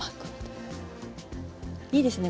いいですね